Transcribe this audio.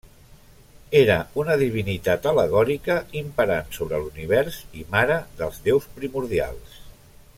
Era una divinitat al·legòrica imperant sobre l'univers i mare dels déus primordials.